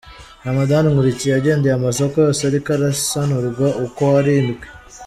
Ramadhan Nkurikiye yagendeye amasoko yose ariko arasanurwa ukwo ari ndwi.